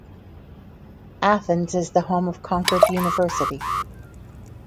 Athens is the home of Concord University.